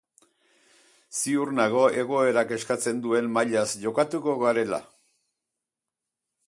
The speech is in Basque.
Ziur nago egoerak eskatzen duen mailaz jokatuko garela.